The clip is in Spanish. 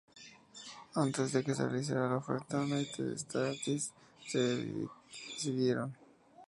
Antes de que se realizara la oferta, United Artists se decidieron.